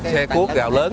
xe cuốt gạo lớn